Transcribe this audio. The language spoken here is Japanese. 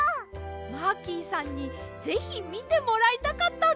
マーキーさんにぜひみてもらいたかったんです！